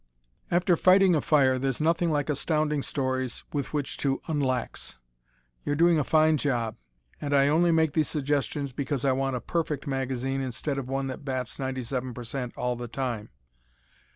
After fighting a fire, there's nothing like Astounding Stories with which to "unlax." You're doing a fine job, and I only make these suggestions because I want a "perfect" magazine instead of one that bats 97% all the time.